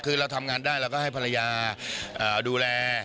คือเราทำงานได้เราก็ให้ภรรยาดูแล